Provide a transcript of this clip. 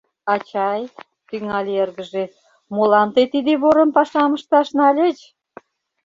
«Ачай, — тӱҥале эргыже, — молан тый тиде ворым пашам ышташ нальыч?